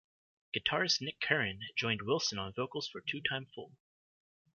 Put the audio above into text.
Guitarist Nick Curran joined Wilson on vocals for "Two Time Fool".